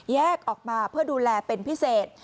แยกออกมาเพื่อดูแลเป็นพิเศษ